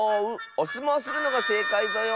おすもうするのがせいかいぞよ。